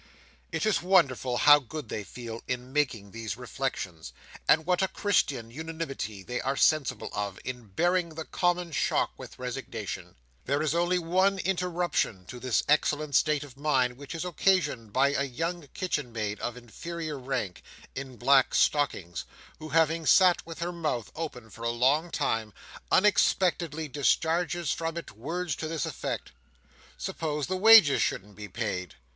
It is wonderful how good they feel, in making these reflections; and what a Christian unanimity they are sensible of, in bearing the common shock with resignation. There is only one interruption to this excellent state of mind, which is occasioned by a young kitchen maid of inferior rank—in black stockings—who, having sat with her mouth open for a long time, unexpectedly discharges from it words to this effect, "Suppose the wages shouldn't be paid!"